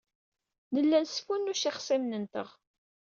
Nella nesfunnuc ixṣimen-nteɣ.